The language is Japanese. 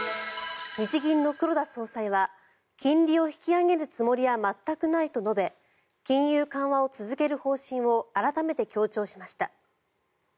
日銀の黒田総裁は金利を引き上げるつもりは全くないと述べ金融緩和を続ける方針を改めて強調しました。